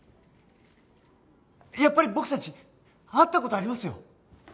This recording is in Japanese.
やっぱり僕たち会った事ありますよ。